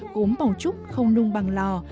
gốm bảo trúc không nung bằng lò